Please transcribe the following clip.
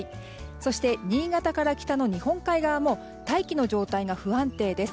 そして新潟から北の日本海側も大気の状態が不安定です。